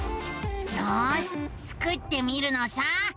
よしスクってみるのさ。